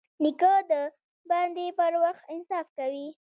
نیکه د بانې پر وخت انصاف کوي.